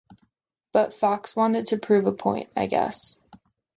But Fox wanted to prove a point, I guess.